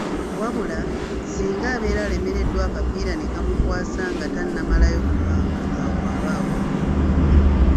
Wabula, singa abeera alemereddwa akapiira ne kamukwasa nga tannamalayo kupanga awo aba awedde.